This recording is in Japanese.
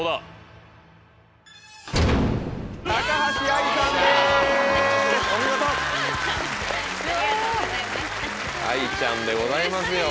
愛ちゃんでございますよ